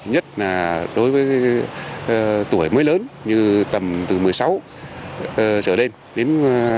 nhất là đối với tuổi mới lớn như tầm từ một mươi sáu trở lên đến hai mươi hai